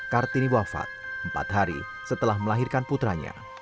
kartini wafat empat hari setelah melahirkan putranya